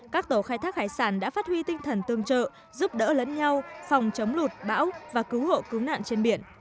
các tàu khai thác hải sản đã phát huy tinh thần tương trợ giúp đỡ lẫn nhau phòng chống lụt bão và cứu hộ cứu nạn trên biển